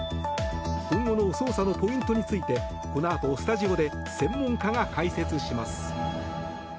今後の捜査のポイントについてこのあと、スタジオで専門家が解説します。